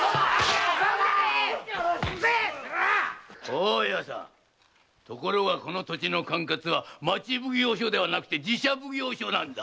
大家さんところがこの土地の管轄は町奉行所ではなくて寺社奉行所なんだ。